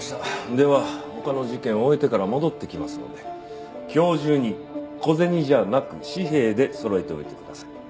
では他の事件を終えてから戻ってきますので今日中に小銭じゃなく紙幣でそろえておいてください。